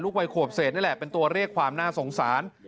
วัยขวบเศษนี่แหละเป็นตัวเลขความน่าสงสาร